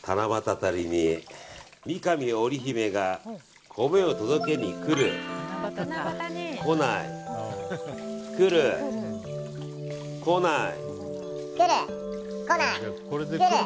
辺りに三上織姫が米を届けに来る、来ない来る、来ない。